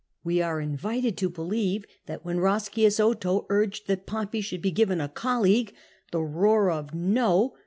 We are invited to believe that when Eoscius Otho urged that Pompey should be given a colleague, the roar of ''No!"